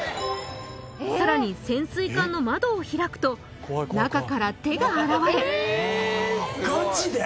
さらに潜水艦の窓を開くと中から手が現れ・ガチで？